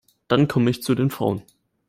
Dann komme ich zu den Frauen.